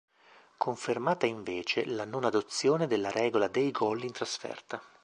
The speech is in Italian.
Confermata, invece, la non adozione della regola dei gol in trasferta.